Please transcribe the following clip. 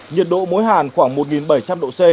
nhiệt độ mối hàn khoảng một nghìn bảy trăm linh độ c